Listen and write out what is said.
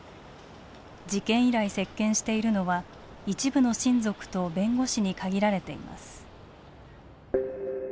事件以来、接見しているのは一部の親族と弁護士に限られています。